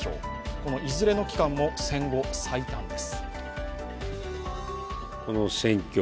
このいずれの期間も戦後最短です。